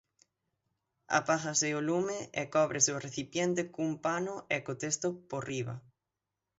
Apágase o lume e cóbrese o recipiente cun pano e co testo por riba.